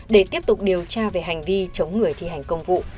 để tiếp tục điều tra về hành vi chống người thi hành công vụ